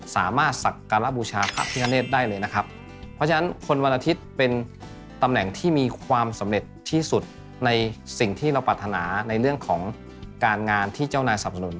สิ่งที่เราปรารถนาในเรื่องของการงานที่เจ้านายสำนุน